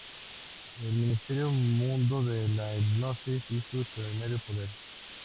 El misterioso mundo de la hipnosis y su extraordinario poder.